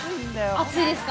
熱いですか？